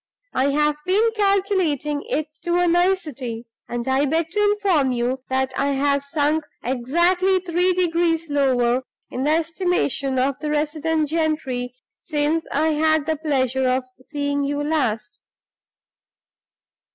I've been calculating it to a nicety, and I beg to inform you that I have sunk exactly three degrees lower in the estimation of the resident gentry since I had the pleasure of seeing you last."